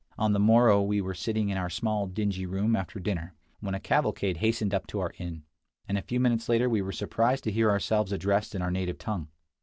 On the morrow we were sitting in our small dingy room after dinner, when a cavalcade hastened up to our inn, and a few minutes later we were surprised to hear ourselves addressed in our native tongue.